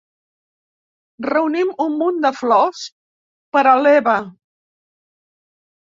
Reunim un munt de flors per a l'Eva.